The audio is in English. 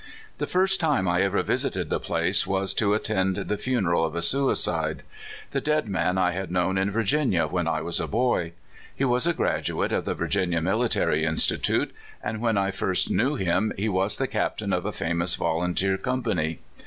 The first time I ever visited the place was to at' tend the funeral of a suicide. The dead man I had known in Virginia, when I was a boy. He was a graduate of the Virginia Military Institute, and when I first knew him he was the captain of a famous volunteer company.